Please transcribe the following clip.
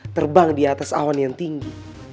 terbang di atas awan yang tinggi